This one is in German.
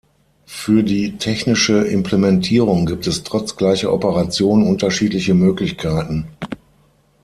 Für die technische Implementierung gibt es trotz gleicher Operation unterschiedliche Möglichkeiten.